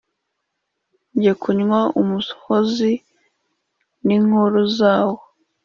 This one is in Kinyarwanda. njye kunywa umuhozi n' inkuku zawo !